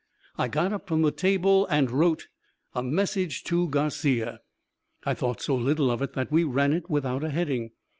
I got up from the table and wrote "A Message to Garcia." I thought so little of it that we ran it in without a heading.